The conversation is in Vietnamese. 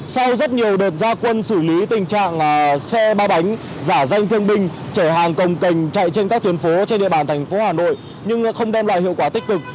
sau rất nhiều đợt gia quân xử lý tình trạng xe ba bánh giả danh thương binh chở hàng công cành chạy trên các tuyến phố trên địa bàn thành phố hà nội nhưng không đem lại hiệu quả tích cực